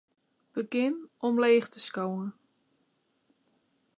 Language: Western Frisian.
Begjin omleech te skowen.